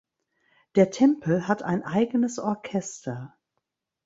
Der Tempel hat ein eigenes Orchester.